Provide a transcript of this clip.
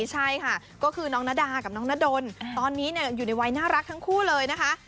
ใช่ค่ะก็คือน้องนาดากับน้องนาดนตอนนี้อยู่ในวัยน่ารักทั้งคู่เลยนะคะ